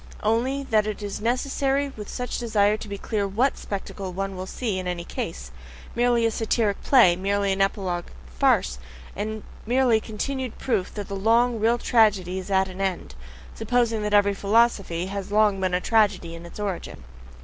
Only, that it is necessary with such a desire to be clear WHAT spectacle one will see in any case merely a satyric play, merely an epilogue farce, merely the continued proof that the long, real tragedy IS AT AN END, supposing that every philosophy has been a long tragedy in its origin.